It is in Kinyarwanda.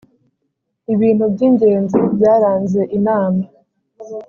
ibintu by’ingenzi byaranze inama